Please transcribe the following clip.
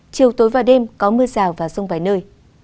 chiều tối và đêm có mưa rào và rông vài nơi